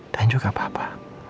dan juga papa